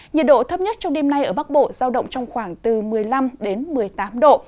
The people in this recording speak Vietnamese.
nhiệt độ thấp nhất trong đêm nay ở bắc bộ giao động trong khoảng từ một mươi năm đến một mươi tám độ